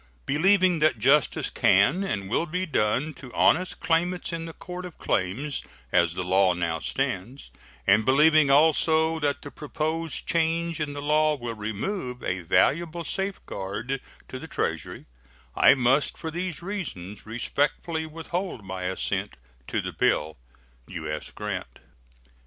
Believing that justice can and will be done to honest claimants in the Court of Claims as the law now stands, and believing also that the proposed change in the law will remove a valuable safeguard to the Treasury, I must for these reasons respectfully withhold my assent to the bill. U.S. GRANT.